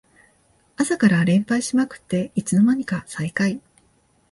夏から連敗しまくっていつの間にか最下位